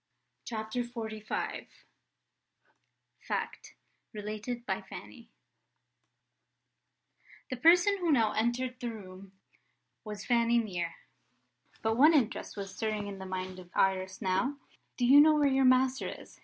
CHAPTER XLV FACT: RELATED BY FANNY THE person who now entered the room was Fanny Mere. But one interest was stirring in the mind of Iris now. "Do you know where your master is?"